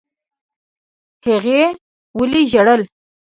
هغې ولي ژړل؟